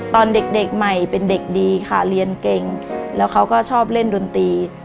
ตอนเด็กใหม่เป็นเด็กดีค่ะเรียนเก่งแล้วเขาก็ชอบเล่นดนตรี